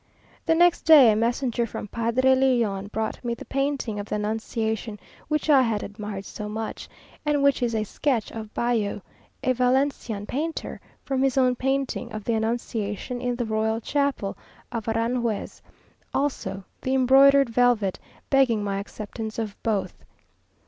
The next day a messenger from Padre Leon brought me the painting of the Annunciation, which I had admired so much, and which is a sketch of Bayeu, a Valencian painter, from his own painting of the Annunciation in the royal chapel of Aranjuez; also the embroidered velvet, begging my acceptance of both.